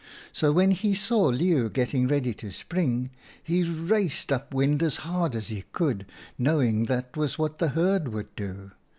So when he saw Leeuw getting ready to spring, he raced up wind as hard as he could, knowing that was what the herd would do.